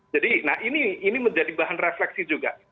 jadi nah ini menjadi bahan refleksi juga